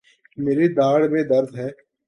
میری داڑھ میں درد ہے